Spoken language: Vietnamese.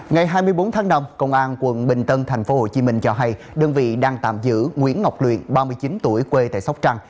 ngày hai mươi bốn tháng năm công an quận bình tân tp hcm cho hay đơn vị đang tạm giữ nguyễn ngọc luyện ba mươi chín tuổi quê tại sóc trăng